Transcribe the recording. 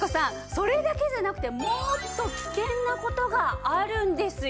それだけじゃなくてもっと危険な事があるんですよ。